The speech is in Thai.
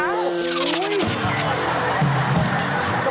โอ้โห